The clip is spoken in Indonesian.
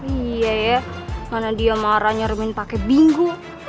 iya ya mana dia marah nyeremin pake binggu